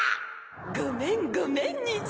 ごめんごめんニジ。